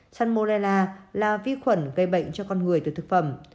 sanmolla là vi khuẩn gây bệnh cho con người từ thực phẩm